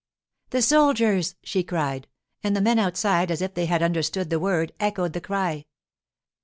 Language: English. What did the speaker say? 'The soldiers!' she cried, and the men outside, as if they had understood the word, echoed the cry.